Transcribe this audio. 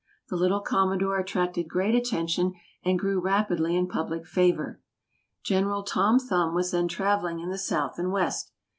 The little Commodore attracted great attention and grew rapidly in public favor. General Tom Thumb was then travelling in the South and West.